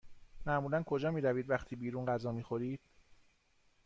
معمولا کجا می روید وقتی بیرون غذا می خورید؟